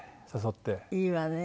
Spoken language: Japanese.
いいわね。